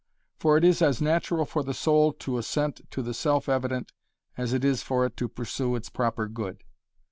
For it is as natural for the soul to assent to the self evident as it is for it to pursue its proper good.